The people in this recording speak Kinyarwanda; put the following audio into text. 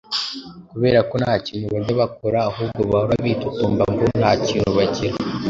Kubera ko nta kintu bajya bakora ahubwo bahora bitotomba ngo nta kintu bagira